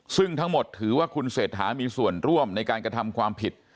ซึ่งทั้งหมดถือว่าคุณเศรษฐามีส่วนร่วมในการกระทำความผิด